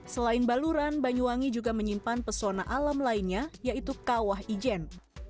selain baluran banyuwangi juga menyimpan pesona alam lainnya yaitu kawah ijen